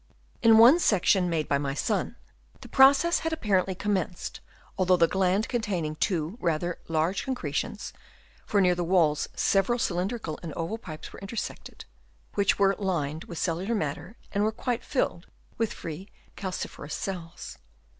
In one section made by my son, the process had apparently commenced, although the gland contained two rather large concre tions, for near the walls several cylindrical and oval pipes were intersected, which were lined with cellular matter and were quite filled with free calciferous cells.